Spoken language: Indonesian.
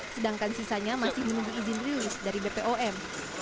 sedangkan sisanya masih belum diizin rilis dari bpom